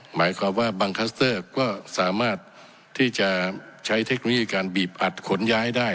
หมายความว่าบางคัสเตอร์ก็สามารถที่จะใช้เทคโนโลยีการบีบอัดขนย้ายได้